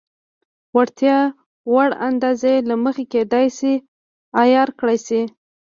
د اړتیا وړ اندازې له مخې کېدای شي عیار کړای شي.